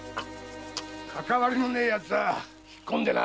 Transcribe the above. かかわりのねえ奴は引っ込んでな！